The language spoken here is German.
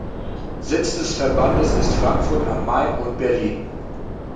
Sitz des Verbandes ist Frankfurt am Main und Berlin.